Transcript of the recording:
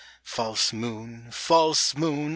False moon ! False moon